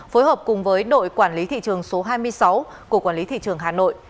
phối hợp cùng với đội quản lý thị trường số hai mươi sáu của quản lý thị trường hà nội